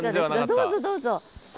どうぞどうぞ。